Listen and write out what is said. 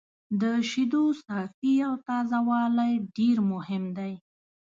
د شیدو صافي او تازه والی ډېر مهم دی.